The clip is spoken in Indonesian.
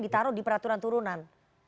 ditaruh di peraturan turunan